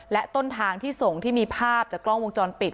และต้นทางที่ส่งที่มีภาพจากกล้องวงจรปิด